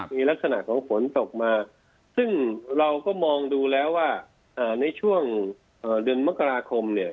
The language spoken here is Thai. มีลักษณะของฝนตกมาซึ่งเราก็มองดูแล้วว่าในช่วงเดือนมกราคมเนี่ย